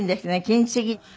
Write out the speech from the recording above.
金継ぎ。